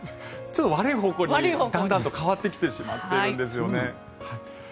ちょっと悪い方向にだんだんと変わってきてしまっているんですよね。